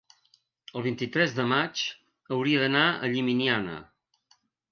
el vint-i-tres de maig hauria d'anar a Llimiana.